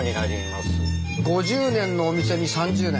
５０年のお店に３０年？